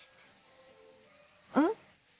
うん？